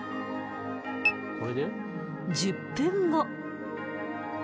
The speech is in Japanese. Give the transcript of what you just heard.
１０分後。